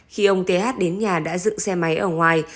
khi ông thế hát đến nhà đã dựng xe máy ở ngoài